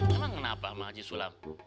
emang kenapa sama haji sulam